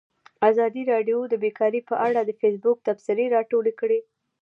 ازادي راډیو د بیکاري په اړه د فیسبوک تبصرې راټولې کړي.